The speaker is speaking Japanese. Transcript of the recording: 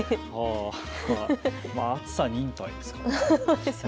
暑さは忍耐ですからね。